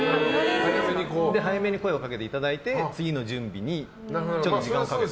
早めに声をかけていただいて次の準備に時間かけて。